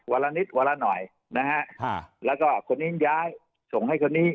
วันละนิดวันละหน่อยนะฮะแล้วก็คนนี้ย้ายส่งให้คนนี้